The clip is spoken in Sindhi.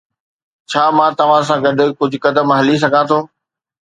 ڇا مان توهان سان گڏ ڪجهه قدم هلي سگهان ٿو؟